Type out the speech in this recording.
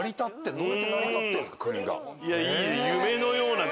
どうやって成り立ってるんですか国が。